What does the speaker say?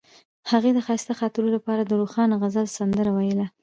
هغې د ښایسته خاطرو لپاره د روښانه غزل سندره ویله.